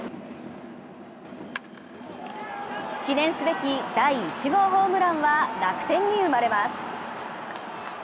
記念すべき第１号ホームランは楽天に生まれます。